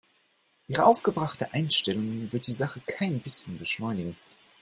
Ihre aufgebrachte Einstellung wird die Sache kein bisschen beschleunigen.